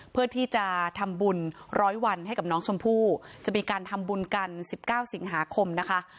เพื่อที่จะทำบุญร้อยวันให้กับน้องชมพู่จะมีการทำบุญกัน๑๙สิงหาคมนะคะ